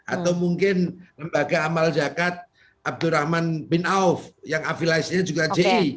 atau mungkin lembaga amal zakat abdurrahman bin auf yang afiliasinya juga ji